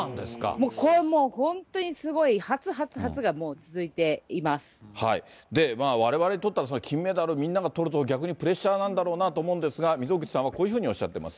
もうこれはもう本当にすごい、われわれにとったら、その金メダルをみんなとると逆にプレッシャーなんだろうなと思うんですが、溝口さんはこういうふうにおっしゃっています。